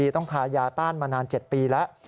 ต้องทายาต้านมานาน๗ปีแล้ว